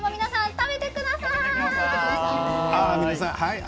食べてください！